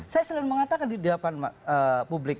saya selalu mengatakan di hadapan publik